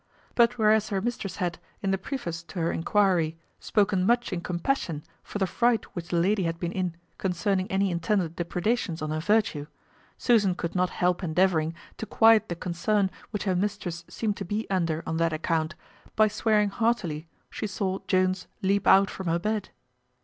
But whereas her mistress had, in the preface to her enquiry, spoken much in compassion for the fright which the lady had been in concerning any intended depredations on her virtue, Susan could not help endeavouring to quiet the concern which her mistress seemed to be under on that account, by swearing heartily she saw Jones leap out from her bed.